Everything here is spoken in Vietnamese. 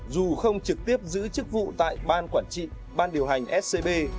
dù không trực tiếp giữ chức vụ tại ban quản trị ban điều hành scb